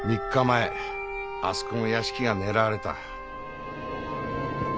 ３日前あそこの屋敷が狙われた。